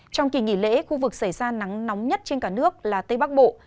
trong kỳ nghỉ lễ khu vực xảy ra nắng nóng nhất trên cả nước là tây bắc bộ